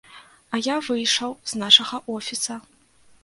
А я выйшаў з нашага офіса.